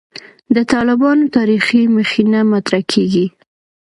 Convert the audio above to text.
د «طالبانو تاریخي مخینه» مطرح کېږي.